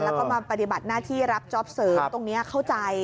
แล้วก็มาปฏิบัติหน้าที่รับจ๊อปเสริมตรงนี้เข้าใจ